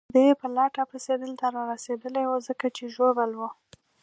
هغوی د ده په لټه پسې دلته رارسېدلي وو، ځکه چې ژوبل وو.